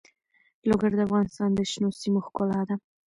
لوگر د افغانستان د شنو سیمو ښکلا ده.